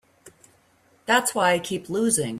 That's why I keep losing.